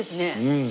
うん！